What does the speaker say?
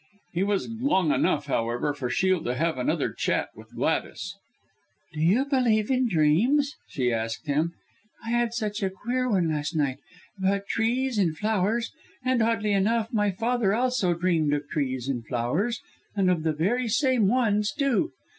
He was long enough, however, for Shiel to have another chat with Gladys. "Do you believe in dreams?" she asked him. "I had such a queer one last night, about trees and flowers; and, oddly enough, my father also dreamed of trees and flowers, and of the very same ones too.